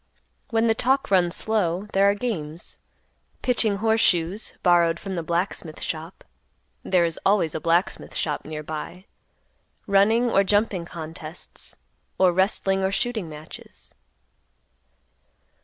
When the talk runs slow, there are games; pitching horse shoes, borrowed from the blacksmith shop—there is always a blacksmith shop near by; running or jumping contests, or wrestling or shooting matches.